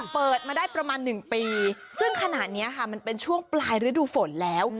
เปิดมาได้ประมาณ๑ปีซึ่งขณะนี้ค่ะมันเป็นช่วงปลายฤดูฝนแล้ว